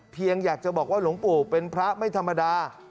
อยากจะบอกว่าหลวงปู่เป็นพระไม่ธรรมดา